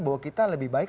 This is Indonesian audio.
bahwa kita lebih baik